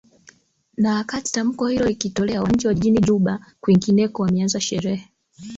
na wakati tamko hilo likitolewa wananchi wa jijini juba kwingineko wameanza sherehe